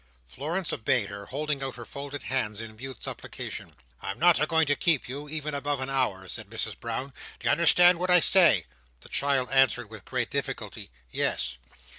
Florence obeyed her, holding out her folded hands, in mute supplication. "I'm not a going to keep you, even, above an hour," said Mrs Brown. "D'ye understand what I say?" The child answered with great difficulty, "Yes."